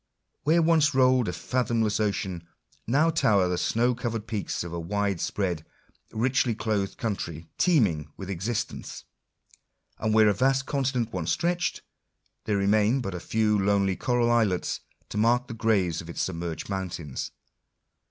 Where once rolled a fathomless ocean, now tower the snow covered peaks of a wide spread, richly clothed country, teeming with exist ence; and where a vast continent once stretched, there re main but a few lonely coral islets to mark the graves of its submerged mountains.